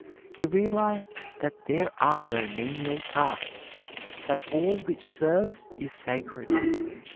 He realized that there are no menial tasks that all which serves is sacred.